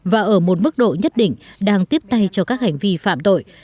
và ở một mức độ nhất định đang tiếp tay cho các hành vi phạm tội